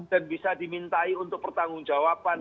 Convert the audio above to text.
dan bisa dimintai untuk pertanggung jawaban